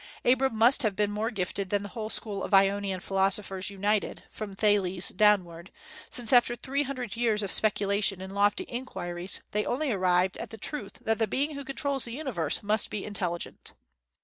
Abram must have been more gifted than the whole school of Ionian philosophers united, from Thales downward, since after three hundred years of speculation and lofty inquiries they only arrived at the truth that the being who controls the universe must be intelligent.